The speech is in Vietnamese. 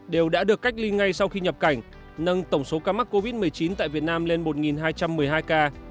đều đã được cách ly ngay sau khi nhập cảnh nâng tổng số ca mắc covid một mươi chín tại việt nam lên một hai trăm một mươi hai ca